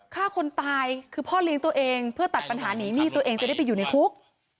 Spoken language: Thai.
ฆ่าคนตายคือพ่อเลี้ยงตัวเองเพื่อตัดปัญหาหนีหนี้ตัวเองจะได้ไปอยู่ในคุก